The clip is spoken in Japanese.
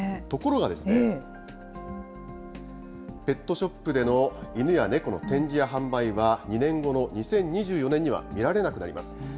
ところがですね、ペットショップでの犬や猫の展示や販売は、２年後の２０２４年には見られなくなります。